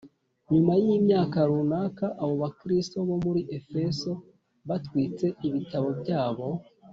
nyuma y imyaka runaka abo bakristo bo muri efeso batwitse ibitabo byabo